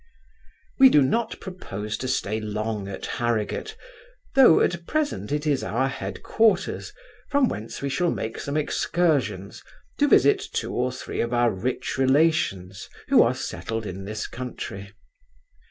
We do not propose to stay long at Harrigate, though, at present, it is our headquarters, from whence we shall make some excursions, to visit two or three of our rich relations, who are settled in this country.